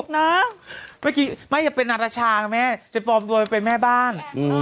เนอะเมื่อกี้ไม่อยากเป็นนาฏชาค่ะแม่เจ็บฟอบดังเป็นแม่บ้าน